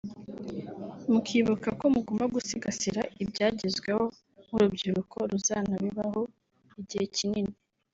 mukibuka ko mugomba no gusigasira ibyagezweho nk’urubyiruko ruzanabibabo igihe kinini